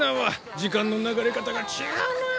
時間の流れ方が違うなぁ。